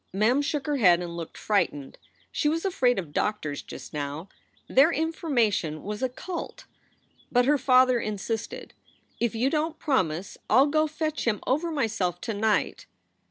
Mem shook her head and looked frightened. She was afraid of doctors just now; their information was occult. But her father insisted : "If you don t promise, I ll go fetch him over myself to night."